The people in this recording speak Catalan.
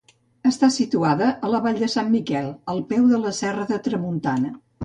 Està situada a la Vall de Sant Miquel, al peu de la Serra de Tramuntana.